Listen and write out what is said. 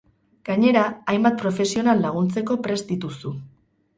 Gainera, hainbat profesional laguntzeko prest dituzu.